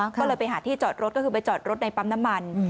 ก็เลยไปหาที่จอดรถก็คือไปจอดรถในปั๊มน้ำมัน